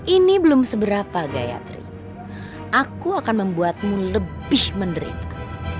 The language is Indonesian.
ini belum seberapa gayatri aku akan membuatmu lebih menderita